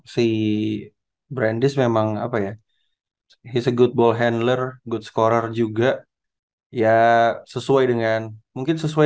si brandis memang apa ya he s a good ball handler good scorer juga ya sesuai dengan mungkin sesuai